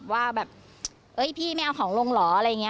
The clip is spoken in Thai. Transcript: ว่าแบบเอ้ยพี่ไม่เอาของลงเหรออะไรอย่างนี้